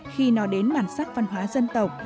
khi nói đến bản sắc văn hóa dân tộc